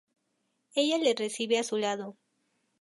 Ella le recibe a su lado.